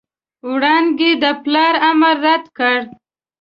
وړانګې د پلار امر رد کړ.